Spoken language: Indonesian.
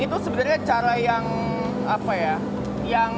itu sebenarnya cara yang apa ya